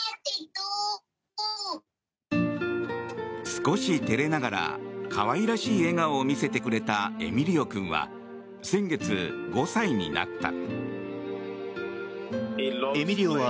少し照れながら可愛らしい笑顔を見せてくれたエミリオ君は先月、５歳になった。